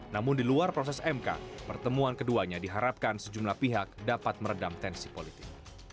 namun di luar proses mk pertemuan keduanya diharapkan sejumlah pihak dapat meredam tensi politik